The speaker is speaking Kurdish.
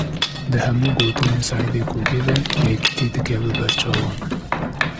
Di hemû gotinên Seîdê Kurdî de, yekitî dikeve ber çavan